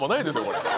これ。